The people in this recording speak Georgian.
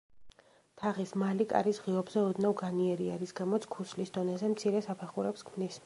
თაღის მალი კარის ღიობზე ოდნავ განიერია, რის გამოც ქუსლის დონეზე მცირე საფეხურებს ქმნის.